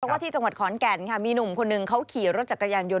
ว่าที่จังหวัดขอนแก่นค่ะมีหนุ่มคนหนึ่งเขาขี่รถจักรยานยน